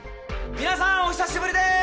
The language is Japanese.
皆さんお久しぶりでーす！